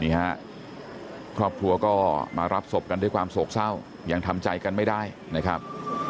ฮะครอบครัวก็มารับศพกันด้วยความโศกเศร้ายังทำใจกันไม่ได้นะครับ